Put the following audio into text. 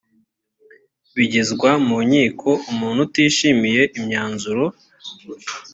bigezwa mu nkiko umuntu utishimiye imyanzuro